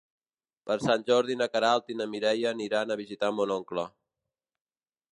Per Sant Jordi na Queralt i na Mireia aniran a visitar mon oncle.